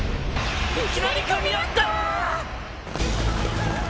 いきなり噛み合った！